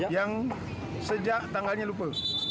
yang sejak tanggalnya lupa